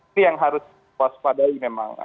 ini yang harus diwaspadai memang